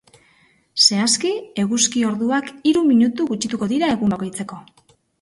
Zehazki, eguzki orduak hiru minutu gutxituko dira egun bakoitzeko.